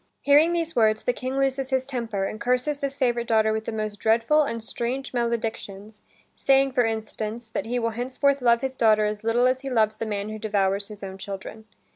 Hearing these words, the King loses his temper, and curses this favorite daughter with the most dreadful and strange maledictions, saying, for instance, that he will henceforth love his daughter as little as he loves the man who devours his own children.